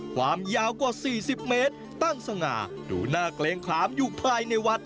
ความยาวกว่า๔๐เมตรตั้งสง่าดูหน้าเกรงขามอยู่ภายในวัด